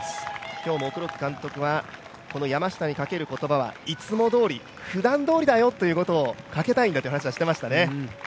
今日も監督は山下にかける言葉はいつもどおり、ふだんどおりだよという言葉をかけたいんだという話をしていましたね。